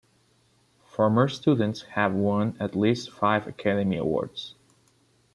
Former students have won at least five Academy Awards.